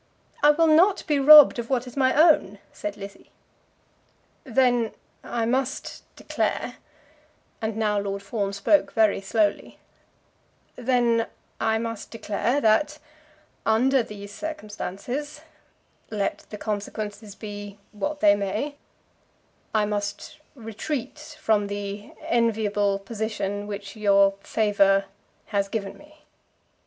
"I will not be robbed of what is my own," said Lizzie. "Then I must declare " and now Lord Fawn spoke very slowly "then I must declare that under these circumstances, let the consequences be what they may, I must retreat from the enviable position which your favour has given me."